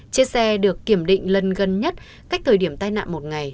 chiếc xe được kiểm định lần gần nhất cách thời điểm tai nạn một ngày